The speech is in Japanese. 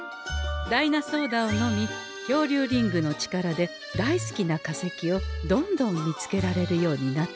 ダイナソーダを飲みきょうりゅうリングの力で大好きな化石をどんどん見つけられるようになったものの